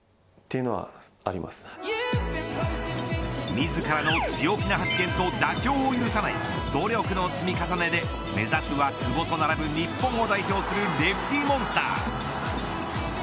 自らの強気な発言と妥協を許さない努力の積み重ねで目指すは久保と並ぶ日本を代表するレフティモンスター。